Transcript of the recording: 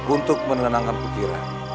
untuk menenangkan kejirah